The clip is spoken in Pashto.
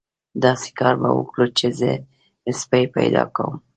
داسې کار به وکړو چې زه سپی پیدا کوم.